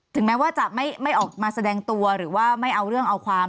แม้ว่าจะไม่ออกมาแสดงตัวหรือว่าไม่เอาเรื่องเอาความ